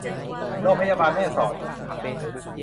โรงพยาบาลแม่สอด